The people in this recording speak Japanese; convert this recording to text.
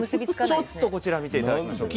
ちょっとこちら見て頂きましょう。